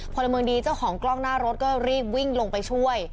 พลเมืองดีเจ้าของกล้องหน้ารถก็รีบวิ่งลงไปช่วย